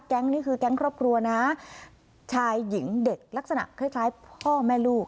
นี่คือแก๊งครอบครัวนะชายหญิงเด็กลักษณะคล้ายพ่อแม่ลูก